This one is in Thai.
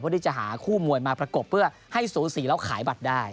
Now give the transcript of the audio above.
เพื่อที่จะหาคู่มวยมาประกบเพื่อให้สูสีแล้วขายบัตรได้